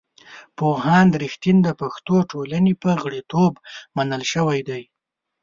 پوهاند رښتین د پښتو ټولنې په غړیتوب منل شوی دی.